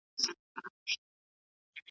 ځاي پر ځای به وي ولاړي ټولي ژرندي .